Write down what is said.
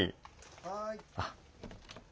・はい。